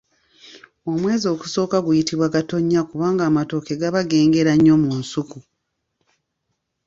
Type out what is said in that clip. Omwezi ogusooka guyitibwa Gatonnya kubanga amatooke gaba gengerera nnyo mu nsuku.